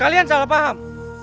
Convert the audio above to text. kalian salah paham